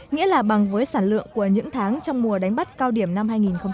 nghĩa là bằng với sản lượng của những tháng trong mùa đánh bắt cao điểm năm hai nghìn hai mươi